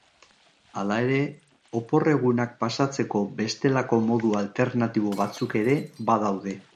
Hala ere, oporregunak pasatzeko bestelako modu alternatibo batzuk ere badaude.